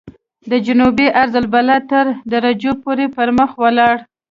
د جنوبي عرض البلد تر درجو پورې پرمخ ولاړ.